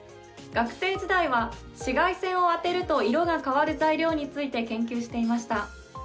学生時代は紫外線を当てると色が変わる材料について研究していました。